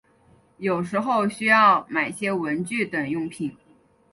有时候需要买些文具等用品